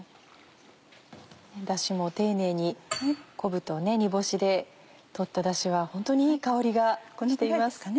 ダシも丁寧に昆布と煮干しで取ったダシは本当にいい香りがしています。